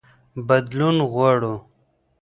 بدلون غواړو.